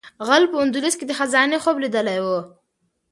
غل په اندلس کې د خزانې خوب لیدلی و.